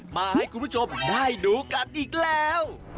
มาให้คุณผู้ชมได้ดูกันอีกแล้ว